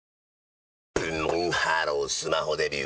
ブンブンハロースマホデビュー！